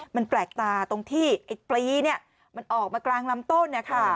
มันแปลกตาตรงที่ไอ้ปลีมันออกมากลางลำต้น